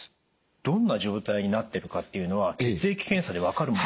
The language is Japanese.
どんな状態になってるかっていうのは血液検査で分かるもんなんですか？